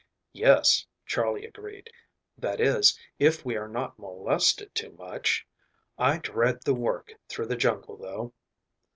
"Yes," Charley agreed, "that is, if we are not molested too much. I dread the work through the jungle, though."